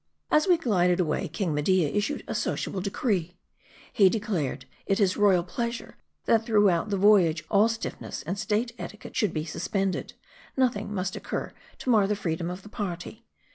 As we glided away, King Media issued a sociable de cree. He declared it his royal pleasure, that throughout the voyage, all stiffness and state etiquette should be sus pended : nothing must occur to mar the freedom of the party.